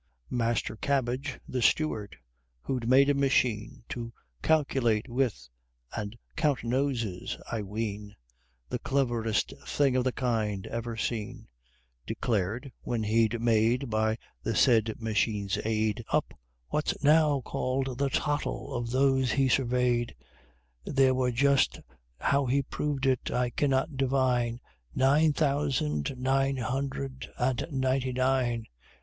Master Cabbage, the steward, who'd made a machine To calculate with, and count noses, I ween The cleverest thing of the kind ever seen, Declared, when he'd made By the said machine's aid, Up, what's now called the "tottle" of those he surveyed, There were just how he proved it I cannot divine _Nine thousand, nine hundred, and ninety and nine.